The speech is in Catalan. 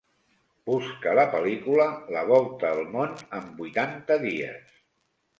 Busca la pel·lícula "La volta al món en vuitanta dies".